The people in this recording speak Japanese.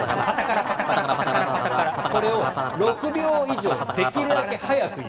これを６秒以上できるだけ速く言う。